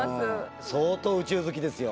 相当宇宙好きですよ。